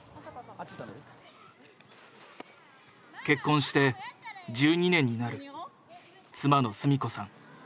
結婚して１２年になる妻の純子さん。